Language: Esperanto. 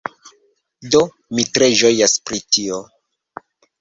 Do, mi tre ĝojas pri tio